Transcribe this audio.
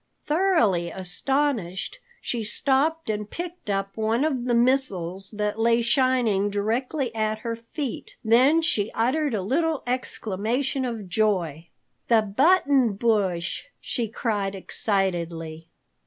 Thoroughly astonished, she stopped and picked up one of the missiles that lay shining directly at her feet. Then she uttered a little exclamation of joy: "The Button Bush!" she cried excitedly.